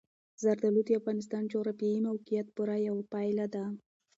زردالو د افغانستان د جغرافیایي موقیعت پوره یوه پایله ده.